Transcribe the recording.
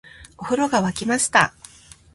お風呂が湧きました